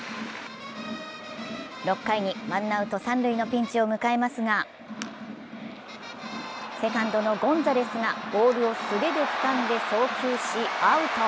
６回にワンアウト三塁のピンチを迎えますが、セカンドのゴンザレスがボールで素手でつかんで送球し、アウト。